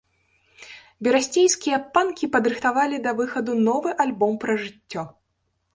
Берасцейскія панкі падрыхтавалі да выхаду новы альбом пра жыццё.